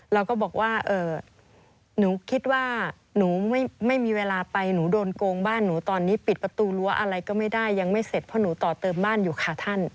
เราก็บอกว่าหนูคิดว่าหนูไม่มีเวลาไปหนูโดนโกงบ้านหนูตอนนี้ปิดประตูรั้วอะไรก็ไม่ได้ยังไม่เสร็จเพราะหนูต่อเติมบ้านอยู่ค่ะท่าน